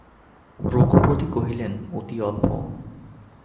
রঘুপতি কহিলেন, অতি অল্প।